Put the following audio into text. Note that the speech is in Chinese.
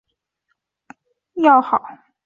希优顿是洛汗国王塞哲尔最为要好。